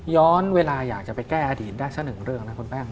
ย้อนเวลาอยากจะไปแก้อดีตได้สักหนึ่งเรื่องนะคุณแป้ง